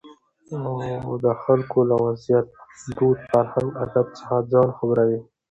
او دخلکو له وضعيت، دود، فرهنګ اداب څخه ځان خبروي.